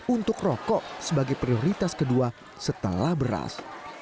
untuk rokok sebagai prioritas kedua setelah beras